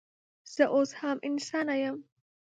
زه اوس هم انسانه یم